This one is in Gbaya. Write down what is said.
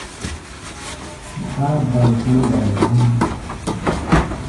Mí baá da̧i̧ sɛ̌n gayo náŋ-ám.